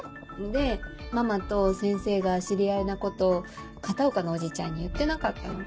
でママと先生が知り合いなこと片岡のおじちゃんに言ってなかったの。